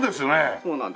そうなんです。